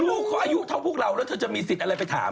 ลูกเขาอายุเท่าพวกเราแล้วเธอจะมีสิทธิ์อะไรไปถาม